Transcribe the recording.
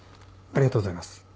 ありがとうございます。